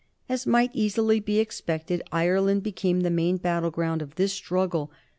As might easily be expected, Ireland became the main battle field of this struggle.